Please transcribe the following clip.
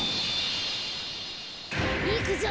いくぞ！